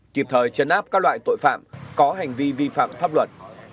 kịp thời chấn áp các loại tội phạm có hành vi vi phạm pháp luật